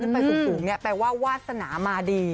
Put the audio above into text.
ไปสูงเนี่ยแปลว่าวาสนามาดี